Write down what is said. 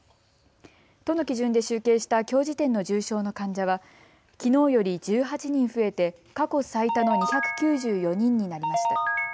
都の基準で集計したきょう時点の重症の患者はきのうより１８人増えて過去最多の２９４人になりました。